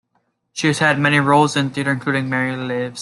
She has also had roles in theatre including "Mary Lives".